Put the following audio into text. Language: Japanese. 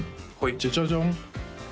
ジャジャジャン